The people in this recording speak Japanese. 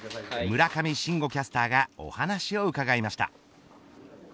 村上信五キャスターがお話を伺いました。